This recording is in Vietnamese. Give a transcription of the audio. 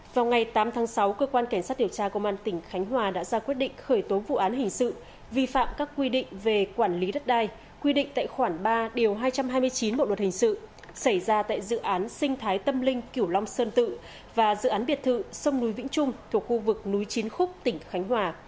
vào ngày tám tháng sáu cơ quan cảnh sát điều tra công an tỉnh khánh hòa đã ra quyết định khởi tố vụ án hình sự vi phạm các quy định về quản lý đất đai quy định tại khoản ba điều hai trăm hai mươi chín bộ luật hình sự xảy ra tại dự án sinh thái tâm linh kiểu long sơn tự và dự án biệt thự sông núi vĩnh trung thuộc khu vực núi chín khúc tỉnh khánh hòa